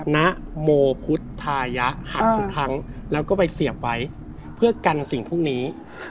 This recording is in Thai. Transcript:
ณโมพุทธายะหักทุกครั้งแล้วก็ไปเสียบไว้เพื่อกันสิ่งพวกนี้